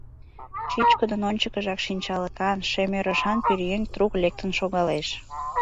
Чӱчкыдын ончыкыжак шинчалыкан, шем ӧрышан пӧръеҥ трук лектын шогалеш.